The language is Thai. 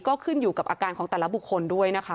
ก็ขึ้นอยู่กับอาการของแต่ละบุคคลด้วยนะคะ